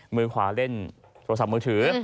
มือขวาเล่นโทรศัพท์มือถือ